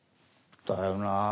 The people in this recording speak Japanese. だよな。